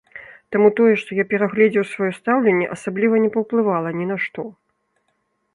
Таму тое, што я перагледзеў сваё стаўленне, асабліва не паўплывала ні на што.